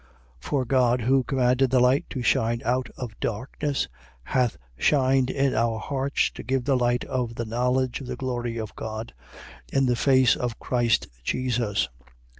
4:6. For God, who commanded the light to shine out of darkness, hath shined in our hearts, to give the light of the knowledge of the glory of God, in the face of Christ Jesus.